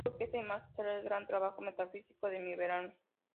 Dijo que "Esta imagen será el gran trabajo metafísico de mi verano".